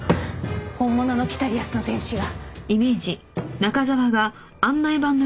本物の『北リアスの天使』が。